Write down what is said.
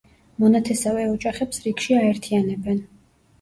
მონათესავე ოჯახებს რიგში აერთიანებენ.